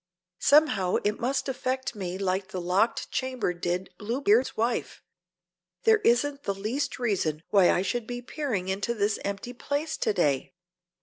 Somehow it must affect me like the locked chamber did Bluebeard's wife; there isn't the least reason why I should be peering into this empty place to day."